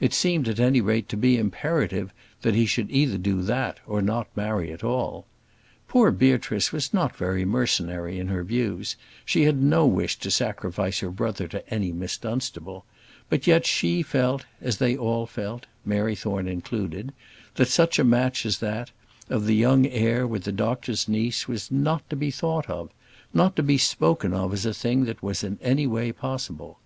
It seemed, at any rate, to be imperative that he should either do that or not marry at all. Poor Beatrice was not very mercenary in her views: she had no wish to sacrifice her brother to any Miss Dunstable; but yet she felt, as they all felt Mary Thorne included that such a match as that, of the young heir with the doctor's niece, was not to be thought of; not to be spoken of as a thing that was in any way possible.